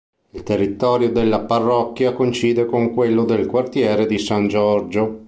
Il territorio della Parrocchia coincide con quello del Quartiere di San Giorgio.